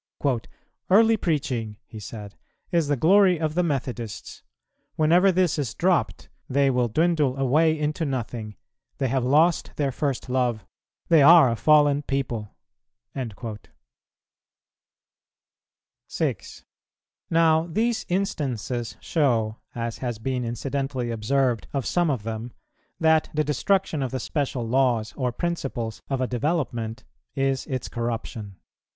"Early preaching," he said, "is the glory of the Methodists; whenever this is dropt, they will dwindle away into nothing, they have lost their first love, they are a fallen people." 6. Now, these instances show, as has been incidentally observed of some of them, that the destruction of the special laws or principles of a development is its corruption.